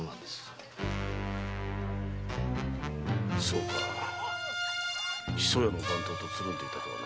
そうか木曽屋の番頭とつるんでいたとはな。